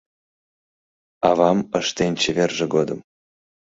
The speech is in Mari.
Авам ыштен чеверже годым